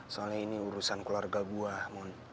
soalnya ini urusan keluarga gue mon